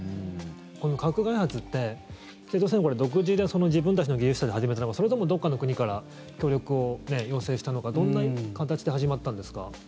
この核開発って北朝鮮は独自で自分たちの技術者で始めたのかそれとも、どこかの国から協力を要請したのかどんな形で始まったんですか？